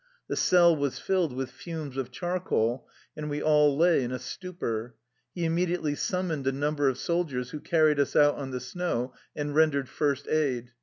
The cell was filled with fumes of charcoal, and we all lay in a stupor. He im mediately summoned a number of soldiers who carried us out on the snow and rendered first aid.